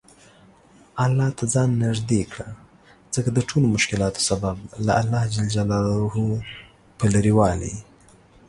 الله ته ځان نیژدې کړه ځکه دټولومشکلاتو سبب له الله ج په لرې والي